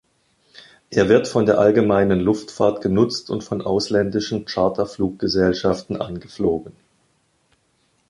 Er wird von der Allgemeinen Luftfahrt genutzt und von ausländischen Charterfluggesellschaften angeflogen.